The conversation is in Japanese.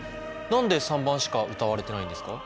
何で３番しか歌われてないんですか？